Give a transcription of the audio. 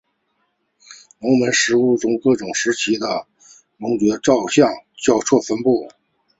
龙门石窟中各个时期的窟龛造像交错分布。